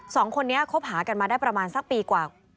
สองคนนี้คบหากันมาได้ประมาณสักปีกว่า